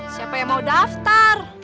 siapa yang mau daftar